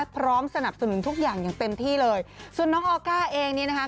พร้อมสนับสนุนทุกอย่างอย่างเต็มที่เลยส่วนน้องออก้าเองนี้นะคะ